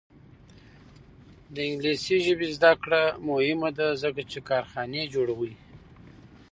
د انګلیسي ژبې زده کړه مهمه ده ځکه چې کارخانې جوړوي.